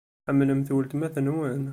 Tḥemmlemt weltma-twent?